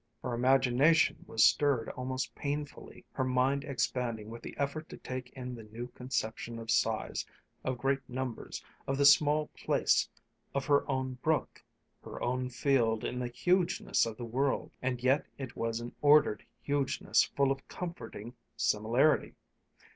Her imagination was stirred almost painfully, her mind expanding with the effort to take in the new conception of size, of great numbers, of the small place of her own brook, her own field in the hugeness of the world. And yet it was an ordered hugeness full of comforting similarity!